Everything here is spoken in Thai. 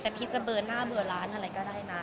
แต่พีชจะเบอร์หน้าเบอร์ร้านอะไรก็ได้นะ